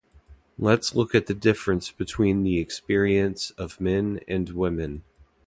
Let's look at the difference between the experience of men and women.